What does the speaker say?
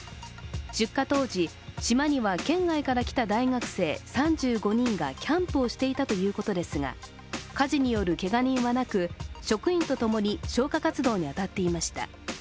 出火当時、島には県外からいた大学生３５人がキャンプをしていたということですが、火事によるけが人はなく職員と共に消火活動に当たっていました。